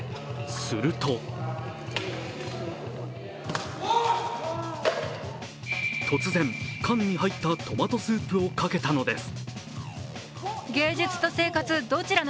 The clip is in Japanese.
すると突然、缶に入ったトマトスープをかけたのです。